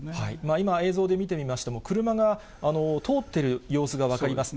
今、映像で見てみましても、車が通ってる様子が分かります。